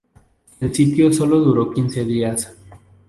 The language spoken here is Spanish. El sitio sólo duró quince días.